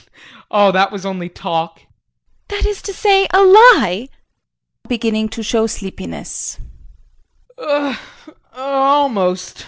Oh, that was only talk. JULIE. That is to say a lie! JEAN [Beginning to show sleepiness]. Er er almost.